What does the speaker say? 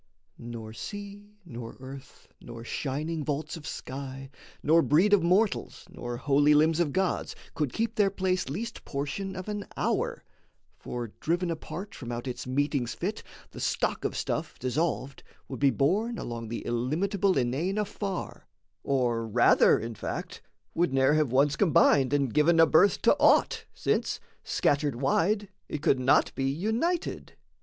Nor sea, nor earth, nor shining vaults of sky, Nor breed of mortals, nor holy limbs of gods Could keep their place least portion of an hour: For, driven apart from out its meetings fit, The stock of stuff, dissolved, would be borne Along the illimitable inane afar, Or rather, in fact, would ne'er have once combined And given a birth to aught, since, scattered wide, It could not be united.